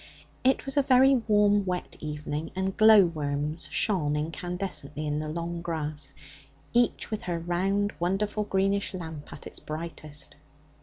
It was a very warm, wet evening, and glow worms shone incandescently in the long grass, each with her round, wonderful, greenish lamp at its brightest.